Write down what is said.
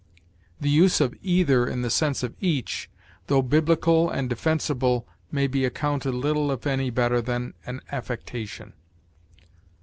The use of either in the sense of each, though biblical and defensible, may be accounted little if any better than an affectation.